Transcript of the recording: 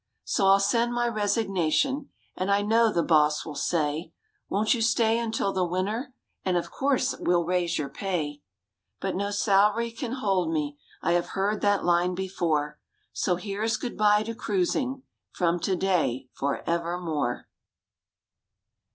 So I'll send my resignation, And I know the Boss will say, "Won't you stay until the winter, And of course, we'll raise your pay." But no salary can hold me, I have heard that line before;— So here's good bye to cruising From today for evermore.